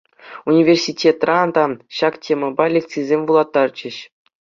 Университетра та ҫак темӑпа лекцисем вулаттарчӗҫ.